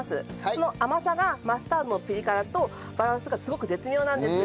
その甘さがマスタードのピリ辛とバランスがすごく絶妙なんです。